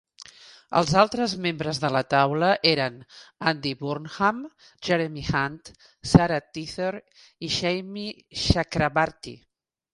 Els altres membres de la taula eren Andy Burnham, Jeremy Hunt, Sarah Teather i Shami Chakrabarti.